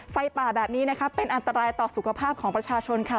ไฟป่าแบบนี้นะคะเป็นอันตรายต่อสุขภาพของประชาชนค่ะ